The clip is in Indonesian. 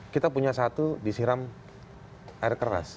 kita punya satu disiram air keras